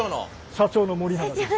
社長の森永です。